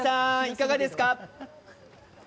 いかがですか？